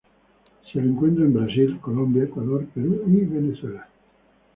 Se lo encuentra en Brasil, Colombia, Ecuador, Perú, y Venezuela.